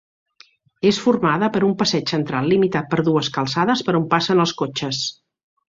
És formada per un passeig central limitat per dues calçades per on passen els cotxes.